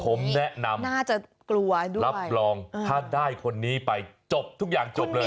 ผมแนะนำน่าจะกลัวด้วยรับรองถ้าได้คนนี้ไปจบทุกอย่างจบเลย